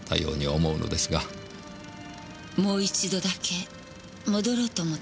もう一度だけ戻ろうと思ったの。